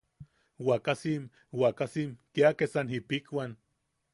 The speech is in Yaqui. Wakasim... wakasim kia kesan jiʼipikwan.